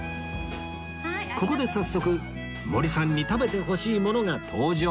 ここで早速森さんに食べてほしいものが登場